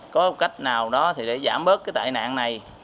có cách nào đó để giảm bớt cái tài nạn này